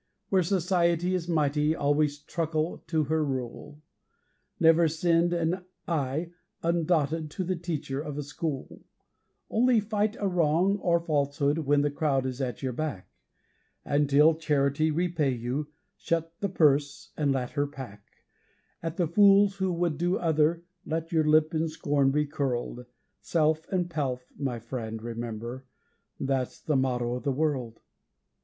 'Where Society is mighty, always truckle to her rule; Never send an 'i' undotted to the teacher of a school; Only fight a wrong or falsehood when the crowd is at your back, And, till Charity repay you, shut the purse, and let her pack; At the fools who would do other let your lip in scorn be curled, 'Self and Pelf', my friend, remember, that's the motto of the world.